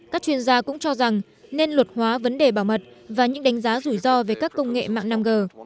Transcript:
các chuyên gia cũng cho rằng nên luật hóa vấn đề bảo mật và những đánh giá rủi ro về các công nghệ mạng năm g